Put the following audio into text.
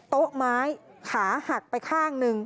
โต๊ะไม้ขาหักไปข้างหนึ่ง